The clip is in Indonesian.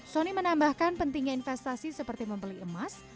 sony menambahkan pentingnya investasi seperti membeli emas